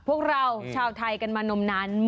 พวกเราชาวไทยกันมานมนั้น